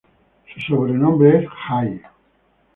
Su sobrenombre es Jay.